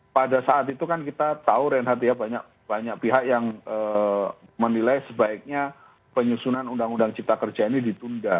pada saat itu kan kita tahu renhad ya banyak pihak yang menilai sebaiknya penyusunan undang undang cipta kerja ini ditunda